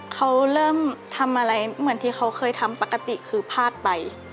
เขาเริ่มทำอะไรเหมือนที่เขาเคยทำปกติคือพลาดไป